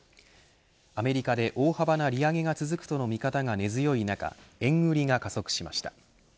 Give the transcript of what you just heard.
アメリカで大幅な利上げが続くとの見方が根強い中円売りが加速しました。